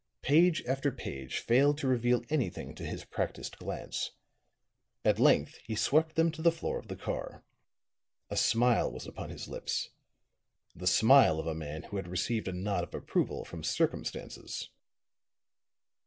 Page after page failed to reveal anything to his practised glance; at length he swept them to the floor of the car. A smile was upon his lips the smile of a man who had received a nod of approval from Circumstances.